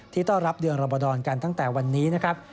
ต้อนรับเดือนรบดรกันตั้งแต่วันนี้นะครับ